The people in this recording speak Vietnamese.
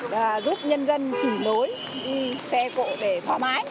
và giúp nhân dân chỉ lối đi xe cộ để thoải mái